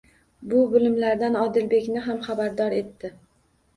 Bu bilimlardan Odilbekni ham xabardor etdi.